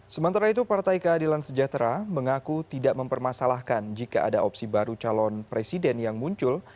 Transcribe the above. sementara itu partai keadilan sejahtera mengaku tidak mempermasalahkan jika ada opsi baru calon presiden yang muncul